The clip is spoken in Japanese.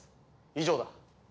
以上だ。